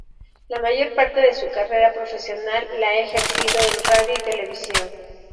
La mayor parte de su carrera profesional la ha ejercido en radio y televisión.